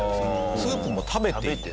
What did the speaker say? スープも食べている。